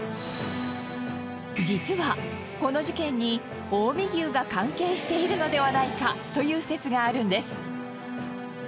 実はこの事件に近江牛が関係しているのではないかという説があるんです。